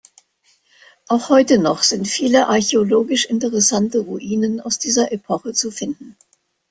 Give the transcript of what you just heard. Auch heute noch sind viele archäologisch interessante Ruinen aus dieser Epoche zu finden.